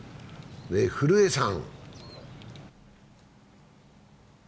古江さん。